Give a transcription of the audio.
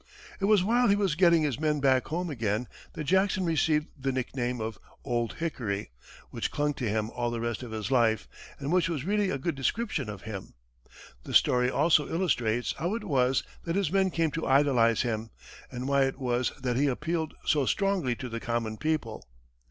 It was while he was getting his men back home again that Jackson received the nickname of "Old Hickory," which clung to him all the rest of his life, and which was really a good description of him. The story also illustrates how it was that his men came to idolize him, and why it was that he appealed so strongly to the common people.